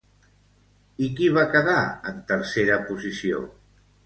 I qui va quedar en tercera posició?